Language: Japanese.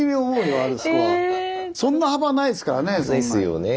そんな幅ないですからね。ですよね。